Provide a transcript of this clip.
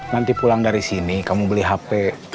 nanti pulang dari sini kamu beli hp